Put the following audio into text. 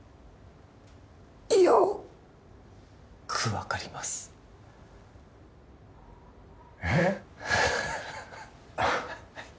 よっく分かりますえっ？